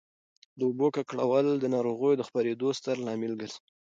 د اوبو ککړول د ناروغیو د خپرېدو ستر لامل ګرځي.